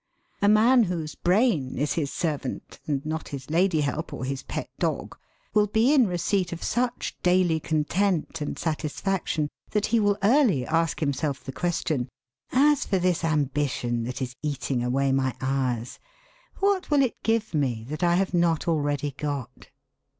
A man whose brain is his servant, and not his lady help or his pet dog, will be in receipt of such daily content and satisfaction that he will early ask himself the question: 'As for this ambition that is eating away my hours, what will it give me that I have not already got?'